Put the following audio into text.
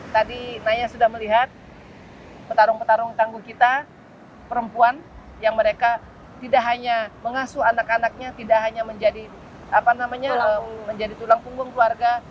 tadi naya sudah melihat petarung petarung tangguh kita perempuan yang mereka tidak hanya mengasuh anak anaknya tidak hanya menjadi tulang punggung keluarga